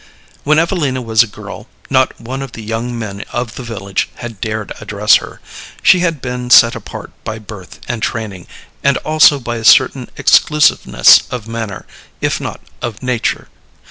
When Evelina was a girl, not one of the young men of the village had dared address her. She had been set apart by birth and training, and also by a certain exclusiveness of manner, if not of nature.